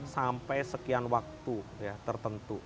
sampai sekian waktu ya tertentu